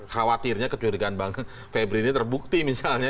khawatirnya kecurigaan bank febrile terbukti misalnya